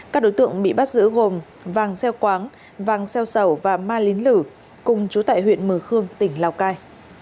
các đối tượng bị bắt giữ gồm vàng xeo quáng vàng xeo sầu và ma lính lử cùng chú tại huyện mờ khương tỉnh lào cai